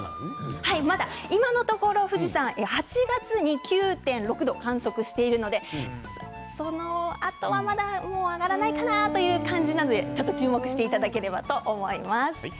今のところ富士山８月に９．６度を観測しているのでそのあとはまた上がらないかなという感じなので注目していただければなと思います。